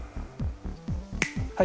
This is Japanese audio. はい。